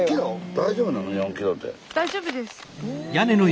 大丈夫です。